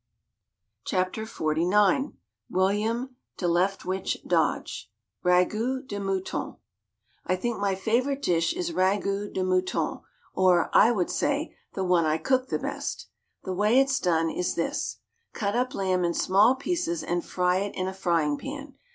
WRITTEN! FOR, MEN BY MEN XLIX WtUiam De Leftwich Dodge RAGOUT DE MOUTON I think my favorite dish is "Ragout de Mouton," or, I would say, the one I cook the best. The way it's done is this: Cut up lamb in small pieces and fry it in a frying pan.